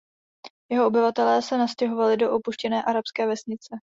Jeho obyvatelé se nastěhovali do opuštěné arabské vesnice.